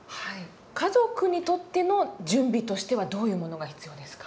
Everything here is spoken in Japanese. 家族にとっての準備としてはどういうものが必要ですか？